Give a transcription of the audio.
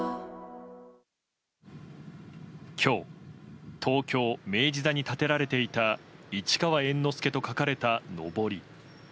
今日東京明治座に立てられていた「市川猿之助」と書かれたのぼり。